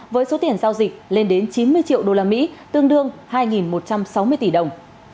với số tiền giao dịch lên đến chín mươi triệu usd tương đương hai một trăm sáu mươi tỷ đồng